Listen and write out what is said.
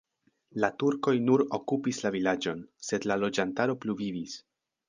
La turkoj nur okupis la vilaĝon, sed la loĝantaro pluvivis.